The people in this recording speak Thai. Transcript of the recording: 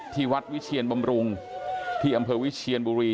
ที่วัดวิเชียนบำรุงที่อำเภอวิเชียนบุรี